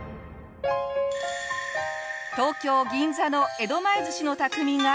東京銀座の江戸前寿司の匠が。